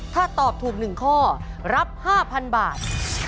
ถ้าตอบถูก๑ข้อรับ๕๐๐๐บาท